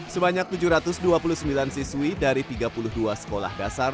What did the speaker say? sebanyak tujuh ratus dua puluh sembilan siswi dari tiga puluh dua sekolah dasar